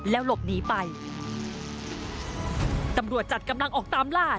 แล้วหลบหนีไปตำรวจจัดกำลังออกตามล่า